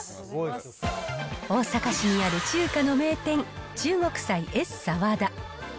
大阪市にある中華の名店、中国菜エスサワダ。